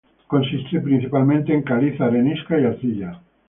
Consiste principalmente en caliza, arenisca, y arcilla.